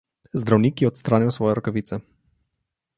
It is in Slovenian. Zdravnik je odstranil svoje rokavice.